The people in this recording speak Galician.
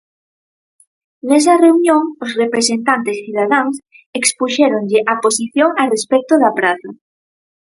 Nesa reunión os representantes cidadáns expuxéronlle a posición a respecto da Praza.